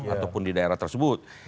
ataupun di daerah tersebut